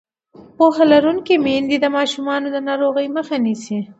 پوهه لرونکې میندې د ماشومانو د ناروغۍ مخه نیسي.